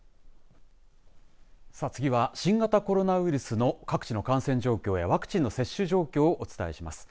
次は新型コロナウイルスの各地の感染状況やワクチンの接種状況をお伝えします。